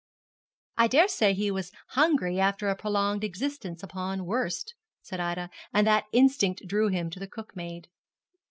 'I dare say he was hungry after a prolonged existence upon wurst,' said Ida, 'and that instinct drew him to the cook maid.'